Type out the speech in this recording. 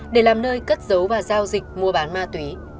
để làm nơi cất giấu và giao dịch mua bán ma túy